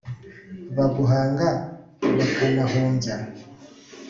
baguhanga bakanahumbya